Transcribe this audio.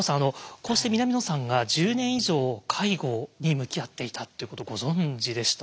こうして南野さんが１０年以上介護に向き合っていたっていうことご存じでした？